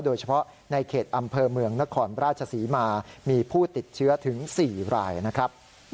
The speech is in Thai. โดยเฉพาะในเขตอำเภอเมืองนครราชศรีมามีผู้ติดเชื้อถึง๔รายนะครับ